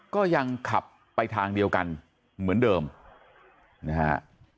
ก็ยังขับไปทางเดียวกันเหมือนเดิมนะฮะ